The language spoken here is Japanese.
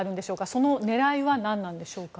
その狙いは何なんでしょうか。